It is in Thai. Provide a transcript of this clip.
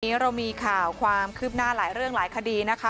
วันนี้เรามีข่าวความคืบหน้าหลายเรื่องหลายคดีนะคะ